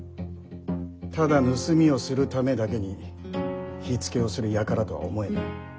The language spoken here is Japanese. ただ盗みをするためだけに火付けをする輩とは思えぬ。